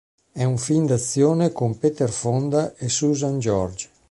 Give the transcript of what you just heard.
È un film d'azione con Peter Fonda e Susan George.